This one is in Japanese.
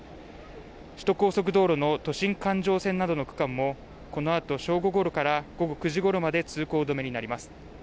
首都高速道路の都心環状線などの区間もこのあと正午ごろから午後９時ごろまで通行止めになります